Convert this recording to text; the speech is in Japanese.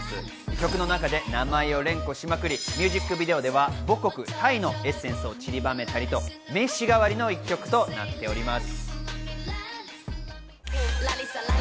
曲の中で名前を連呼しまくり、ミュージックビデオでは母国・タイのエッセンスをちりばめたり、名刺代わりの１曲となっております。